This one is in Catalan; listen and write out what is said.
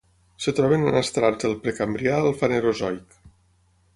Es troben en estrats del Precambrià al Fanerozoic.